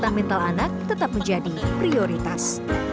kesehatan mental anak tetap menjadi prioritas